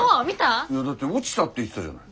いやだって落ちたって言ってたじゃない。